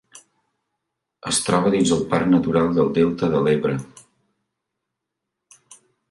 Es troba dins el parc Natural del Delta de l'Ebre.